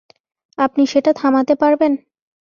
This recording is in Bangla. আপনি সেটা থামাতে পারবেন?